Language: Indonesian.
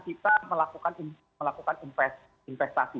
di dasarkan pada keputusan kita melakukan investasi